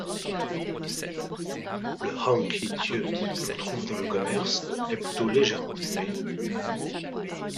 Le hangikjöt que l'on trouve dans le commerce est plutôt légèrement fumé.